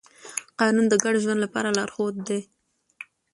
قانون د ګډ ژوند لپاره لارښود دی.